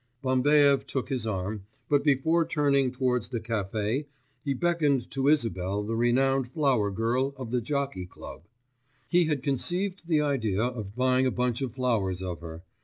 Bambaev took his arm, but before turning towards the café he beckoned to Isabelle the renowned flower girl of the Jockey Club: he had conceived the idea of buying a bunch of flowers of her.